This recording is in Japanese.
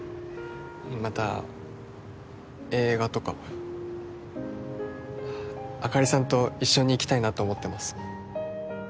また映画とかあかりさんと一緒に行きたいなと思ってます